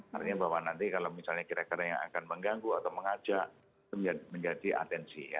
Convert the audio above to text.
nah ini bahwa nanti kalau misalnya kreator yang akan mengganggu atau mengajak menjadi atensi ya